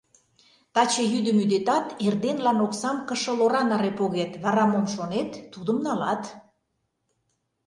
Таче йӱдым ӱдетат, эрденлан оксам кышыл ора наре погет, вара мом шонет, тудым налат...